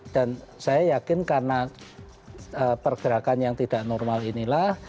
dan saya yakin karena pergerakan yang tidak normal inilah